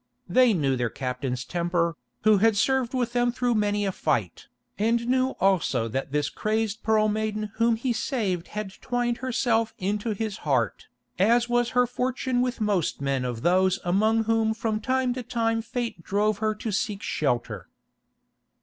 They knew their captain's temper, who had served with them through many a fight, and knew also that this crazed Pearl Maiden whom he saved had twined herself into his heart, as was her fortune with most men of those among whom from time to time fate drove her to seek shelter.